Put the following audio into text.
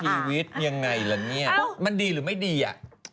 ชีวิตยังไงล่ะเนี่ยมันดีหรือไม่ดีอ่ะ